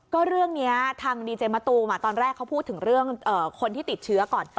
ก็เรื่องนี้ทางดีเจมะตูมตอนแรกเขาพูดถึงเรื่องคนที่ติดเชื้อก่อน